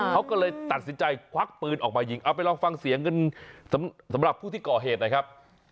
เขาก็เลยตัดสินใจควักปืนออกมายิงเอาไปลองฟังเสียงกันสำหรับผู้ที่ก่อเหตุนะครับ